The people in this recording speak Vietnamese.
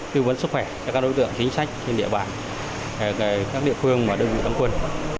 tư vấn sức khỏe cho các đối tượng chính sách trên địa bàn các địa phương và đơn vị đóng quân